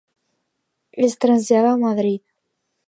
Es trasllada a Madrid.